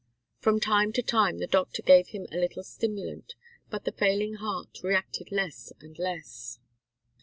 From time to time the doctor gave him a little stimulant, but the failing heart reacted less and less.